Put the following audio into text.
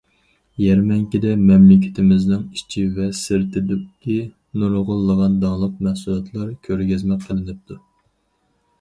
يەرمەنكىدە مەملىكىتىمىزنىڭ ئىچى ۋە سىرتىدىكى نۇرغۇنلىغان داڭلىق مەھسۇلاتلار كۆرگەزمە قىلىنىپتۇ.